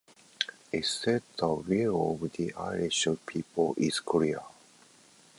It said The will of the Irish people is clear.